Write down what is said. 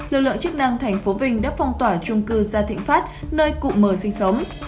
lực lượng chức năng tp vinh đã phong tỏa trung cư gia thịnh phát nơi cụ mờ sinh sống